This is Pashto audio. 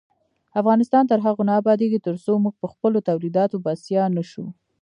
افغانستان تر هغو نه ابادیږي، ترڅو موږ پخپلو تولیداتو بسیا نشو.